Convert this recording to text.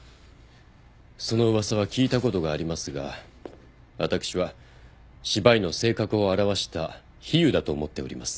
その噂は聞いたことがありますが私は司馬懿の性格を表した比喩だと思っております。